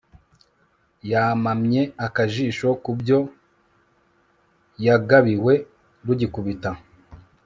yamamye akajisho ku byo yagabiwe rugikubita